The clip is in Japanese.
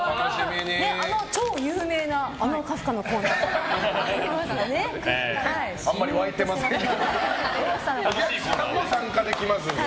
あの超有名な、あのカフカのコーナーありますので。